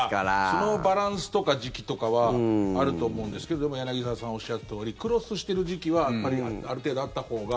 そのバランスとか時期とかはあると思うんですけどでも、柳澤さんがおっしゃったとおりクロスしてる時期はやっぱりある程度あったほうが。